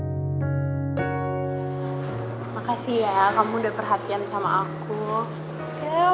gue bakal dengan mudah jadiin mereka kaki tangan gue